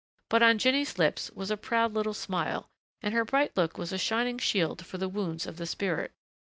But on Jinny's lips was a proud little smile, and her bright look was a shining shield for the wounds of the spirit.